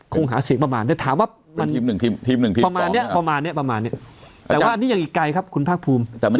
คงหาเสียงประมาณนี้ถามว่าประมาณนี้แต่ว่าอันนี้ยังไกลครับคุณภาครภูมิ